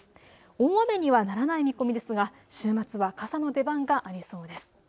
大雨にはならない見込みですが週末は傘の出番がありそうです。